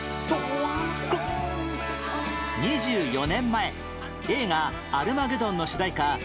２４年前映画『アルマゲドン』の主題歌